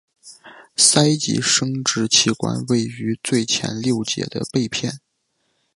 鳃及生殖器官位于最前六节的背片。